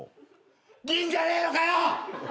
銀じゃねえのかよ！